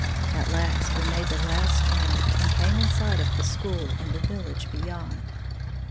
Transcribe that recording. At last we made the last turn, and came in sight of the school and the village beyond.